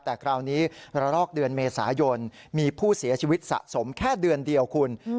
แต่คราวนี้ระลอกเดือนเมษายนมีผู้เสียชีวิตสะสมแค่เดือนเดียวคุณ